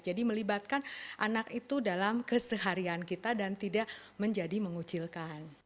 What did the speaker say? melibatkan anak itu dalam keseharian kita dan tidak menjadi mengucilkan